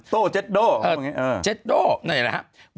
โต้เจ็ดโดเจ็ดโด่นี่แหละครับ